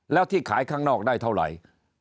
แล้วที่ขายข้างนอกได้เท่าไหร่